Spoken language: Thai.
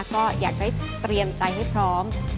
ก็อยากได้เตรียมใจให้พร้อม